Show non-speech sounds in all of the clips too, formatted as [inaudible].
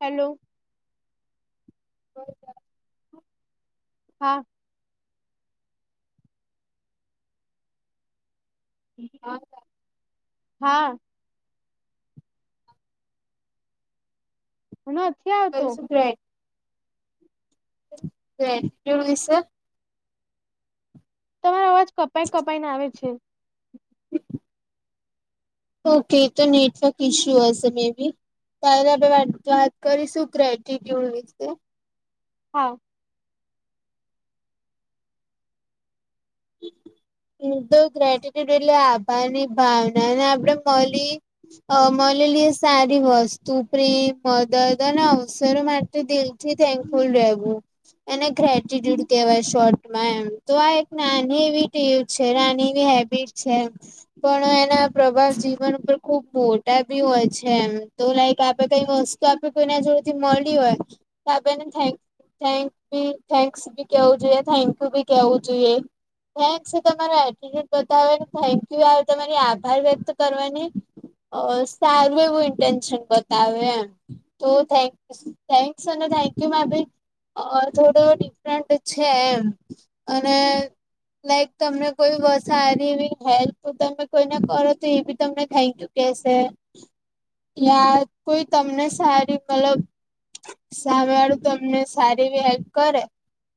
Hello [inaudible] હા હા હ અત્યા [unintelligible] ગ્રેડ ગડ કેુંસ [unintelligible] [unintelligible] તમારો અવાજ કપાઈ કપાઈ ને આવે છે ઓકે તો નેટવર્ક ઇશ્યુ હશે મે બી તારે આપણે વાત વાત કરી શું [unintelligible] વિશે હા એ તો ગ્રેટીટ્યુડ એટલે આભાર ની ભાવના ને આપણેે મળલી અ મલેલી સારી વસ્તુ પ્રેમ મદદ અને અવસરો માટે તો દિલથી થેન્કફુલ રહેવું એને ગ્રેટીટ્યુડ કહેવાય શોર્ટમાં એમ તો આ એક નાની એવી છે હેબિટ છે એમ પણ એના પ્રભાવ જીવન ઉપર ખુબ મોટા ભી હોય છે એમ તો લાઈક આપે કઈ વસ્તુ આપે કોઈને જોડેથી મળી હોય તો આપેને થેન્ થેક બી થેન્ક્સ ભી કેવું જોઈએ થેન્ક યુ ભી કેવું જોઈએ થૅન્કસ તમારો એટટ્યુડ બતાવેને થેન્ક યુ યાર તમારે આભાર વ્યક્ત કરવાની અ સારું એવું ઇન્ટટેન્શન બતાવે એમ તો થ થન્કસ અને થેન્કયુ માટે અ થોડો ડિફરન્ટ છે એમ અને લાઈક તમને કોઈ વસારીવી હેલ્પ તમે કોઈને કરો તો એ બી તમને થેન્ક યુ કહેશે યાર કોઈ તમને સારી મતલબ સામે વાળું તો તમને સારી એવી હેલ્પ કરે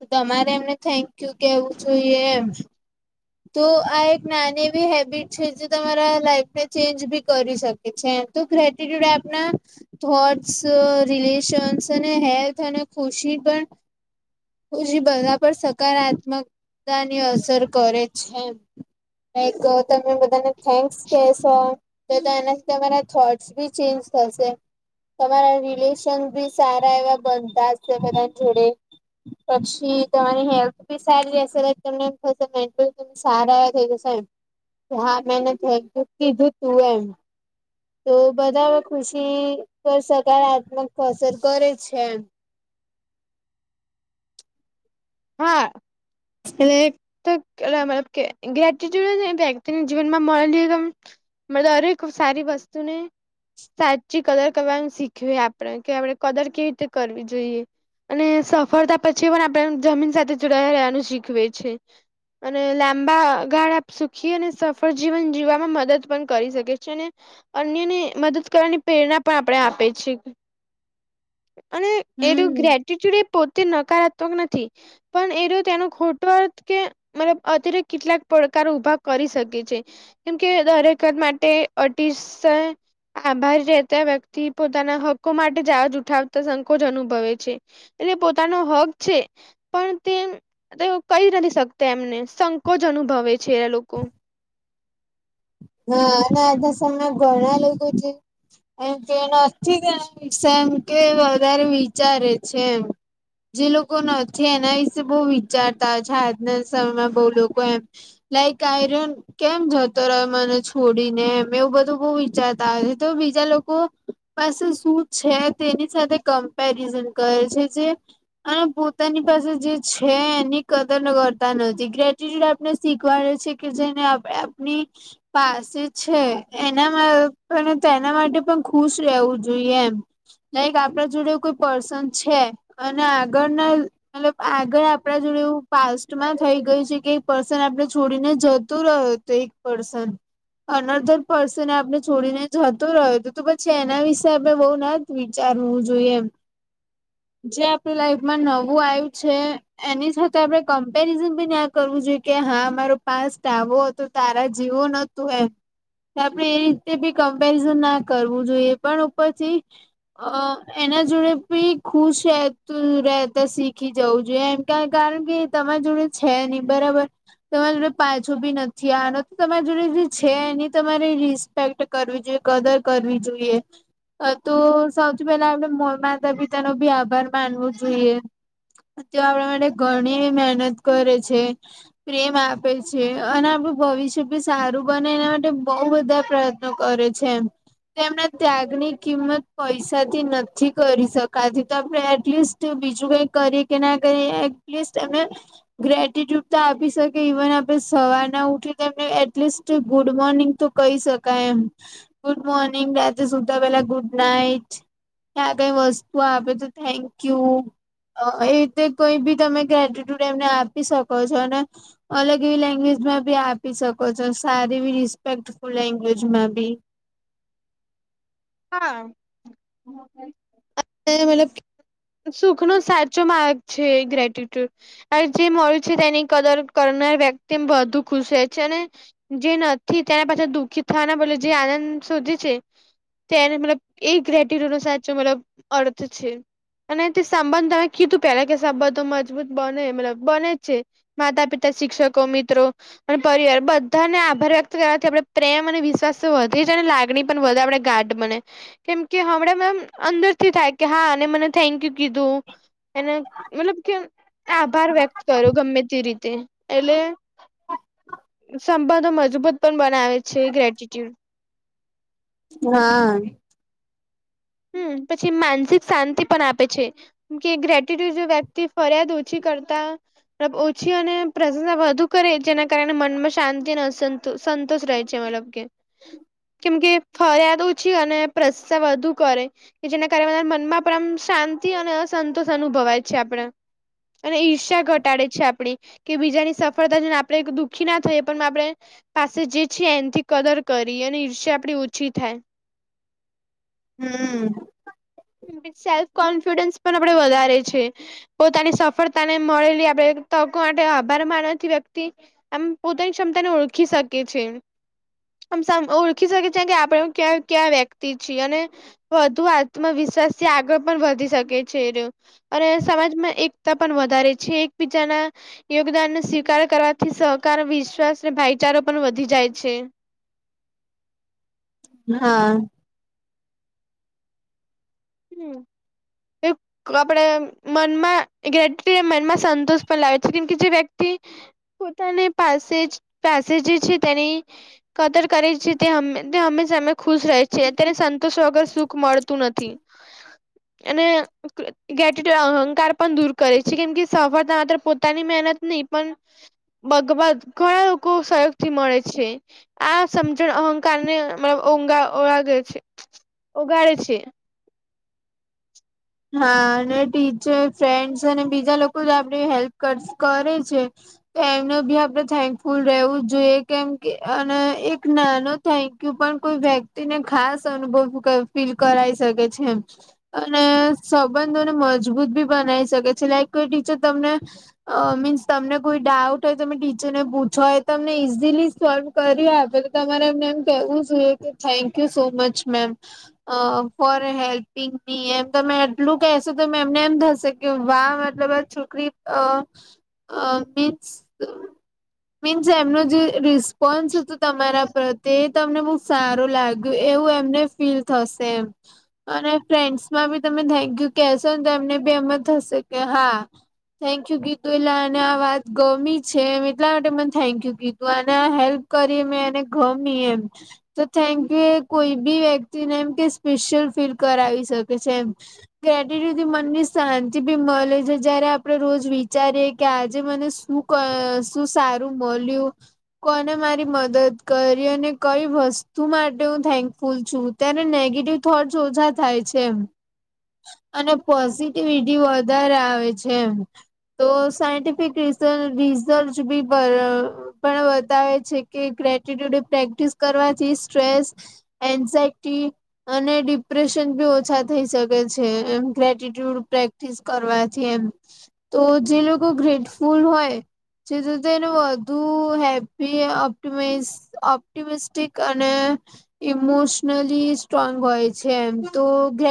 તમારે એમને થેન્ક યુ કેવું જોઈએ એમ તો આ એક નાની એવી હેબિટ છે જે તમારા લાઈફને ચેન્જ બી કરી શકે છે ત ક્રેટીટ્યુડ આપના થોટસ રિલેશન્સ અને હેલ્થ અને ખુશી પણ હુજી બધા પર સકારાત્મકતાની અસર કરે છે કંઇક તમે બધાને થેન્ક્સ કેશો તો તો એનાથી તમારા થોટસ બી ચેન્જ થશે. તમારા રિલેશન બી સારા એવા બનતા જ છે બધા જોડે. પછી તમારી હેલ્થ બી સારી રહેશે તમને એમ થશે મેન્ટલ ત સારા એ થઈ જશે એમ કે હા મેંને થેંક કીધું તું એમ. તો બધામાં ખુશી પર સકારાત્મક અસર કરે છે એમ. હા એ [unintelligible] તો મતલબ કે ગ્રેટટ્યુડ વ્યક્તિને જીવનમાં મળેલી એમ મ અરેક ખૂબસારી વસ્તુ ને સાચી કદર કરવાનું શીખવે આપણે કે આપણે કદર કેવી રીતે કરવી જોઈએ. અને સફળતા પછી આપણેે જમીન સાથે જોડાયયા રહ્યાનું શીખવે છે. અને લાંબા ગાળ આપ સુખી અને સફળ જીવન જીવવામાં મદદ પણ કરી શકે છે અને. અન્યને મદદ કરવાની પ્રેરણા પણ આપણ ને આપે છે. અને એનું હમ ગ્રેટટ્યુડ એ પોતે નકારાત્મક નથી. પણ એ ર તેનો ખોટો અર્થ કે મતલબ અત્યારે કેટલાક પડકારો ઊભા કરી શકે છે. કેમ કે દરેક કર માટે અતિશય આભારી રહેતા વ્યક્તિ પોતાના હક્કો માટે જહજ ઉઠાવતા સંકોચ અનુભવે છે. એટલે પોતાનો હક છે. પણ તે કહી નથી શકતા એમને સંકોચ અનુભવે છે એ લોકો. હા ના આજના સમયે ઘણા લોકો છે જે એમ કે નથી તેના પાસે એમ કે વધારે વિચારે છે એમ. જે લોકો નથી એના વિશે બહુ વિચારતા હોય છે આજના સમયમાં બહુ લોકો એમ. લાઈક આઈ રયો કેમ જતો રહ્યો? મને છોડીને એવું બધું બહ વિચારતા હ છે તો બીજા લોકો પાસે શું છે તેની સાથે કમ્પેરિઝન કરે છે જે અને પોતાની પાસે જે છે એની કદર કરતા નથી ગ્રેટીટૂડ આપને શીખવાડે છે કે જેને આપણી પાસે છે એના પણ તો એના માટે પણ ખુશ રહેવું જોઈએ એમ. લાઈક આપણા જોડે એવું કોઈ પર્સન છે અને આગળના મતલબ આગળ આપડા જોડે એવું પાસ્ટમાં થઈ ગયું છે કે એ પર્સન આપડે છોડીને જતું રહ્યો તો એક પર્સન અનધર પર્સેન આપણે છોડીને જતો રહ્યો તો પછી એના વિશે આપણે બહુ ના જ વિચારવું જોઈએ એમ. જે આપડ લાઈફમાં નવું આવ્યું છે એની સાથે આપડે કમ્પેરિઝન પણ ના કરવું જોઈએ કે હા મારો પાસ્ટ આવો હતો તારા જીવો ન તો એમ આપણે એ રીતે બી કમ્પેરિઝન ના કરવું જોઈએ એ પણ ઉપરથી અ એના જોડે ભી ખુશતું રહેતા શીખી જવું જોઈએ એમ. કારણ કે એ તમારી જોડે છે નઈ બરાબર તમારે જોડે પાછું બી નથી આનો તો તમારે જોડે છે એની તમારે રિસ્પેક્ટ કરવી જોઈએ કદર કરવી જોઈએ. સૌથી પહેલા આપણે તો માતા પિતા નો ભી આભાર માનવો જોઈએ. તે આપણા માટે ઘણી મહેનત કરે છે. પ્રેમ આપે છે અને આપડુ ભવિષ્ય ભ સારું બને એના માટે બહુ બધા પ્રયત્નો કરે છે. એના ત્યાગની કિંમત પૈસાથી નથી કરી શકાતી તો આપણે એટલીસ્ટ બીજું કઈ કરી કે ના કરી એટલીસ્ટ એમે ગ્રેટટ્યુડ તો આપી શકે ઇવન આપણે સવાર ના ઉઠી ને એમને એટલીસ્ટ ગુડ મોર્નિંગ તો કહી શકાય એમ, ગુડ મોર્નિંગ રાત્રે સુતા પેલા ગુડ નાઈટ ક્યાં કઈ વસ્તુ [unintelligible] તો થેન્કયુ. એ તે કોઈ બી તમે ગ્રેટટ્યુડ એમને આપી શકો છો ને. અલગ એવી લેંગ્વેજમાં બી આપી શકો છો સારી એવી રિસ્પેક્ટફુલ લેંગ્વેજમાં બી, હા [unintelligible] સુખ નો સાચો માર્ગ છે ગ્રેટ્યટ્યુડ જે મળ્યું છે તેની કદર કરનાર વ્યક્તિ બધુ ખુશ હો [unintelligible] છેને જે નથી તેની પાછળ દુઃખી થવાના બદલે જે આનંદ શોધી છે. તેને મતલબ એ ગ્રેટટ્યુડ નો સાચો મતલબ અર્થ છે. અને તે સબંધ ને તમે કીધું પેલા કે સબંધો મજબૂત બને મતલબ બને જ છે. માતા પિતા શિક્ષકો મિત્રો, અનેપરિવાર બધાને આભાર વ્યક્ત કરવાથી આપણે પ્રેમ અને વિશ્વાસ તો વધે જ અને લાગણી પણ વધે આપડે ગાડી, કેમ કે હમણાં મેમ અંદર થી થાય કે હા આને મને થેન્ક યુ કીધું. એના મતલબ કે, આભાર વ્યક્ત કરો ગમે તે રીતે એટલે, સંબંધો મજબૂત પણ બનાવે છે ગ્રેટીટ્યુડ, હા હ, પછી માનસિક શાંતિ પણ આપે છે. કે ગ્રેટટ્યુડ વ્યક્તિ ફરિયાદ ઓછી કરતા. [unintelligible] ઓછી અને પ્રશંસા વધુ કરે જેના કારણે મનમાં શાંતિ અને સંતોષ રહે છે મતલબ કે, કેમકે ફરિયાદ ઓછી અને પ્રશંસા વધુ કરે કે જેના કારણે મનમાં પણ આમ શાંતિ અને અસંતોષ અનુભવાય છે આપણે, અને ઈર્ષા ઘટાડે છે આપડી કે બીજાની સફળતા જોઈ ને આપણે દુઃખી ના થઈએ પણ આપણે. પાસે જે છે એના થી [unintelligible] કરી અને ઈર્ષ્યા આપડી ઓછી થાય. હમ સેલ્ફ કોન્ફિડન્સ પણ આપડે વધારે છે. પોતાની સફળતા ને મળેલી આપણે તકો માટે આભાર માનવાથી વ્યક્તિ આમ પોતાની ક્ષમતાને ઓળખી શકે છે. આમ ઓળખી શકે છે કે આપણેે ક્યાં ક્યાં વ્યક્તિ છીએ અને વધુ, આત્મવિશ્વાસ થી આગળ પણ વધી શકે છે એરિયો અને સમાજમાં એકતા પણ વધારે છે એકબીજાના યોગદાન નો સ્વીકાર કરવાથી સહકાર વિશ્વાસ અને ભાઈચારો પણ વધી જાય છે. હા [unintelligible] આપણે મનમાં [unintelligible] મન મા સંતોષ લાવે છે કેમ કે જે વ્યક્તિ પોતાની પાસેજ પાસે જે છે તેની કદર કરે છે તે હંમેશા અમે ખુશ રહે છે તેને સંતોષ વગર સુખ મળતું નથી. અને [unintelligible] અહંકાર પણ દૂર કરે છે કેમ કે સફળતા માત્ર પોતાની મહેનત નહી પણ બગવાદ ઘણા લોકો સહયોગ થી મળે છે. આ સમજણ અહંકાર ને મતલબ [unintelligible] ઓગાળે છે. હા અને ટીચર ફ્રેન્ડસ અને બીજા લોકો જ આપડી હેલ્પ કરે છે. એમને ભી આપડણે થેન્કફુલ રહેવું જોઈએ કેમ કે અને એક નાનો થેન્ક યુ પણ કોઈ વ્યક્તિ ને ખાસ અનુભવ ફીલ કરાઈ શકે છે એમ અને સંબંધોને મજબૂત બી બનાવી શકે છે લાઈક કોઈ ટીચર તમને અ મીન્સ તમને કોઈ ડાઉટ હોય તમે ટીચરને પૂછો હોય તમને ઇઝીલી સોલ્વ કરી આપે પટલે તમારે એમને એમ કેવું જોઈએ કે thank you so much ma'am uh for helping me એમ તમે એટલું કહેશો તો એમને એમ થશે કે વાહ મતલબ આ છોકરી અ મીન્સ મીન્સ એમનો જે રિસ્પોન્સ હતો તમારા પ્રત્યે તમને બૉ સારું લાગ્યું એવું એમને ફીલ થશે એમ અને ફ્રેન્ડસ માં બી તમે થૅન્ક યુ કેશો ને તો એમને બી એમ જ થશે કે હા થેન્ક યુ કીતું એલા અને આ વાત ગમી છે એમ એટલા માટે મને થેન્ક યુ કીધું અને આ હેલ્પ કરી મે અનેને ગમી એમ તો થેન્ક યુ કોઈ બી વ્યક્તિને એમ કે સ્પેશિયલ ફીલ કરાવી શકે છે એમ ક્રેટિટીથી મનની શાંતિ ભી મળે છે જયારે આપણે રોજ વિચારીએ કે આજે મને શું શું સારું મળલ્યું કોને મારી મદદ કરી અને કઈ વસ્તુ માટે હું થેન્કફુલ છું ત્યારે નેગેટિવ થોટસ ઓછા થાય છેમ અને પોઝિટિવિટી વધારે આવે છે એમ તો સાયન્ટન્ટિફિક રીઝન રિસર્ચ બી પર પણ બતાવે છે કે ગ્રેટટ્યુડ પ્રેક્ટિસ કરવાથી સ્ટ્રેસ એન્ઝાયટી અને ડિપ્રેશન બી ઓછા થઈ શકે છે એમ ગ્રેટિટુ પ્રેક્ટિસ કરવાથી એમ તો જે લોકો ગ્રેટફુલ હોય જેથી તે એને વધુ happy up to miss optimistic અને ઇમોશનલી સ્ટ્રોંગ હોય છે એમ તો ગ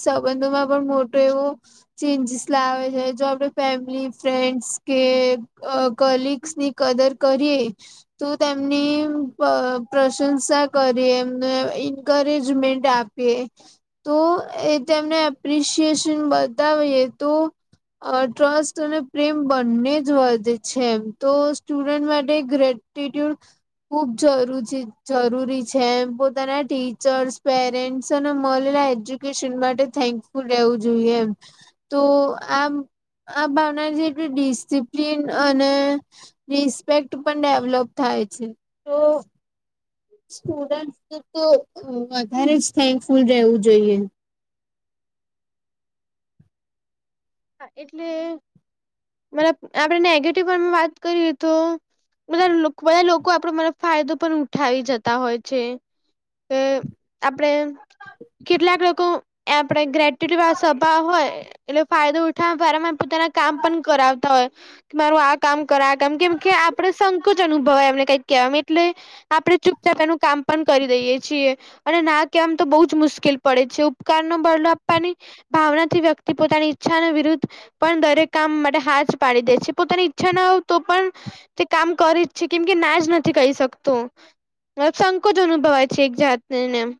સંબંધોમાં પણ મોટો એવું ચેન્જીસ લાવે છે જો આપડણે ફેમિલી ફ્રેન્ડ્સ કે કલગ્સની કદર કરીએ તું તેમની પ્રશંસા કરી એમને ન્કરેજમેન્ટ આપે તો એ તેમને એપ્રિશિએશન બતાવીએ તો અ ટ્રસ્ટ અને પ્રેમ બંને જ વધે છે એમ તો સ્ટુડન્ટ માટે ગ્રે [inaudible] ખૂબ જરૂ જરૂરી છે એમ પોતાના ટીચર્સ પેરેન્ટ મળલેલા એજ્યુકેશન માટે થેન્કફુલ રહેવું જોઈએ એમ તો આમ આ ભાવના જેટલ ડિસિપ્લન અને રિસ્પેક્ટ પણ ડેવલોપ થાય છે તો સ્ટુડન્ટ તો તો વધારે જ થેંક્યું રહેવુ જોઈએ એટલે મબ આપણેે નેગેટિવન્ટમાં વાત કરીએ તો બધા બધા આપડો મને ફાયદો પણ ઉઠાવી જતા હોય છે કે આપણેે કેટલાક લોકો આપડે ગ્રેટ્યુસપા હોય એટલે ફાયદો ઉઠાવવા ફરામાં પોતાના કામ પણ કરાવતા હોય મારું આ કામ કરે આ કામ કેમ કે આપણે સંંકોચ અનુભવા એમને કઈક કહેવાવામાં એટલે આપડે ચુપચાપ એનું કામ પણ કરી દઈયે છીએ અને ના કેવા માતો બહુ જ મુશ્કેલ પડે છે ઉપકારનો બદલો આપવાની ભાવના થી વ્યક્તિ પોતાની ઈચ્છા વિરુદ્ધ પણ દરેક કામ માટે હા જ પાડી દે છે પોતાની ઈચ્છા ના હોય તો પણ તે કામ કરી જ છે કેમ કે ના જ નથી કહી શકતું સંકોચ અનુભવાય છે એક જાતને એમ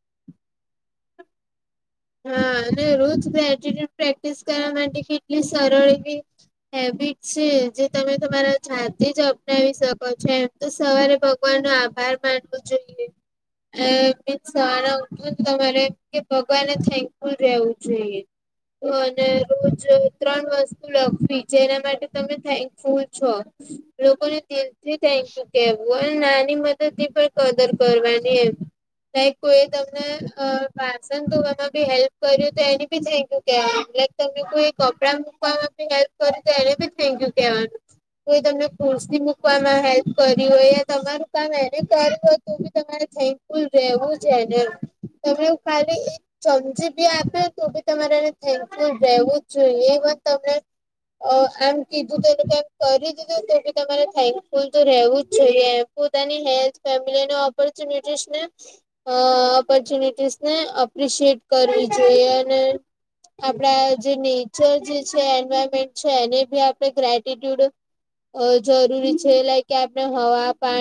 હા અને રોજ ગરેટીટ્યુડ પ્રેક્ટિસ કરવા માટે કેટલી સરળ એવી હેબિટ છે જે તમે તમારાજાતે જ અપનાવી શકો છો એમ તો સવારે ભગવાન નો આભાર માનવો જોઈએ મીન્સ સવારે કે ભગવાન થેન્કફુલ રેવું જોઈએ અને રોજ ત્રણ લખવી જેના માટે તમે થેન્કફુલ છો લોકોને દિલ થી થેન્ક યુ કહેવુ હો નાની મદદ ની પણ કદર કરવાની એમ ના કોઈ તમને અ વાસન ધોવામાં બી હેલ્પ કર્યું તો એને બી થેન્કયુ કેવા લાઈક તમે કોઈ કપડા મૂકવામાં બી હેલ્પ તો એને ભી થેન્ક યુ કેવાનું કોઈ તમને ખૂરશી મુકવામાં હેલ્પ કરી હોય તમારું કામ એને કર્યું હોય તો બી તમારે થેક ફુલ રહેવું છે ને તમે એવું ખાલી ચમચી બી આપે તો બી તમારેને થેન્કફુલ રહેવું જ જોઈએ પણ તમને અ આમ કીધું તો એનું કે એમ કરી દીધું તો કે તમારે થેન્કફુલ તો રહેવું જ જોઈએ એમ પોતાની હેલ્થ ફેમિલી ઓપોર્ચ્યુનિટીસ ને અ ઓપોર્ચ્યુનિટીસને એપ્રિશિએટ કરવી જોઈએ અને આપડા જે નેચર જે છે એન્વાયરમેન્ટ છે એને ભી આપણે ગ્રેટીટ્યુડ અ જરૂરી છે લાઈક કે આપણે હવા પાણી